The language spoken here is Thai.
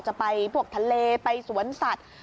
จะไปพวกทะเลไปสวนสัตว์